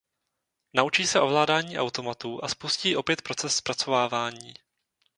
Naučí se ovládání automatů a spustí opět proces zpracovávání.